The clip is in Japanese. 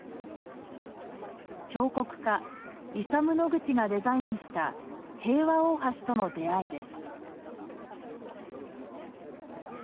彫刻家イサム・ノグチがデザインした「平和大橋」との出会いです。